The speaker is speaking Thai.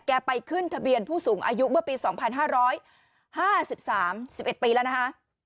ไปขึ้นทะเบียนผู้สูงอายุเมื่อปี๒๕๕๓๑๑ปีแล้วนะคะ